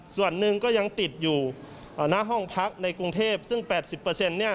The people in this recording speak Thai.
ส่วนหนึ่งก็ยังติดอยู่อ่าณห้องพักในกรุงเทพฯซึ่งแปดสิบเปอร์เซ็นต์เนี้ย